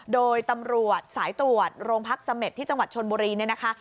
โดยตำรวจสายตรวจโรงพักเสม็ดที่จังหวัดชนบุรีเนี่ยนะคะ